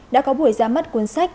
đã có buổi ra mắt cuốn sách